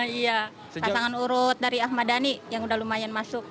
iya pasangan urut dari ahmad dhani yang udah lumayan masuk